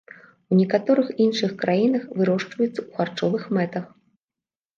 У некаторых іншых краінах вырошчваецца ў харчовых мэтах.